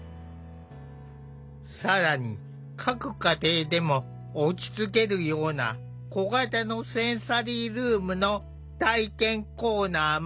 更に各家庭でも落ち着けるような小型のセンサリールームの体験コーナーも。